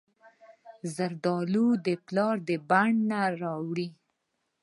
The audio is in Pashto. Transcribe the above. زردالو د پلار د بڼ نه راوړي.